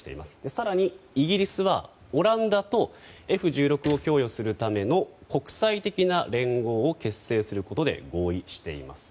更に、イギリスはオランダとＦ１６を供与するための国際的な連合を結成することで合意しています。